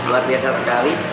luar biasa sekali